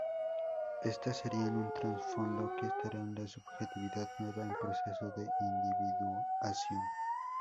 Estas serían un trasfondo que estará en la subjetividad nueva en proceso de individuación.